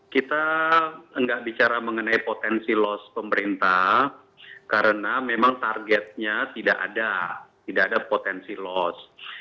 kita nggak bicara mengenai potensi loss pemerintah karena memang targetnya tidak ada tidak ada potensi loss